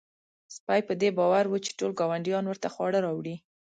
سپی په دې باور و چې ټول ګاونډیان ورته خواړه راوړي.